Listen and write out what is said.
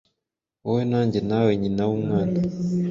wowe nanjye nawe nyina wumwana